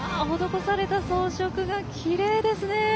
施された装飾がきれいですね。